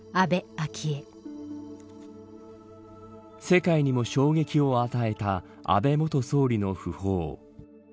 世界にも衝撃を与えた安倍元総理の訃報。